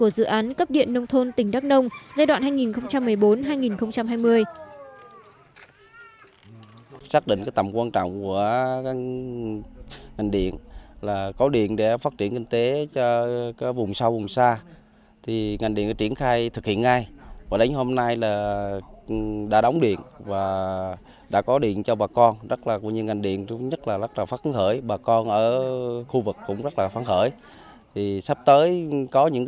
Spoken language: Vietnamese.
đây là giai đoạn khó khăn của dự án cấp điện nông thôn tỉnh đắk nông giai đoạn hai nghìn một mươi bốn hai nghìn hai mươi